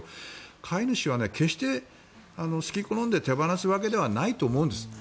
飼い主は決して好き好んで手放すわけではないと思うんです。